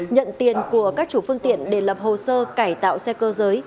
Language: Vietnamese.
nhận tiền của các chủ phương tiện để lập hồ sơ cải tạo xe cơ giới